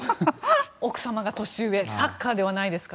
奥様が年上サッカーではないか。